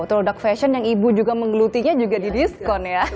produk fashion yang ibu juga menggelutinya juga di diskon ya